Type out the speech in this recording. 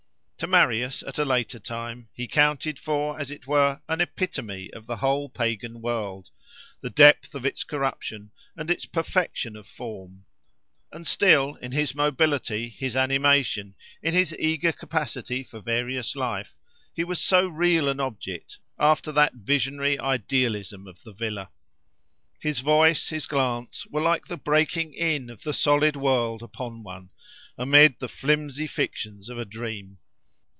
To Marius, at a later time, he counted for as it were an epitome of the whole pagan world, the depth of its corruption, and its perfection of form. And still, in his mobility, his animation, in his eager capacity for various life, he was so real an object, after that visionary idealism of the villa. His voice, his glance, were like the breaking in of the solid world upon one, amid the flimsy fictions of a dream.